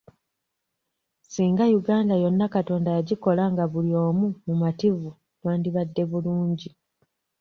Singa Uganda yonna Katonda yagikola nga buli omu mumativu twandibadde bulungi.